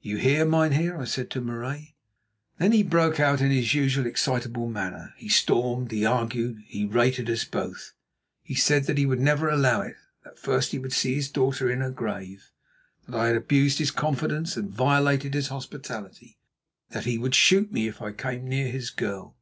"You hear, mynheer," I said to Marais. Then he broke out in his usual excitable manner. He stormed, he argued, he rated us both. He said that he would never allow it; that first he would see his daughter in her grave. That I had abused his confidence and violated his hospitality; that he would shoot me if I came near his girl.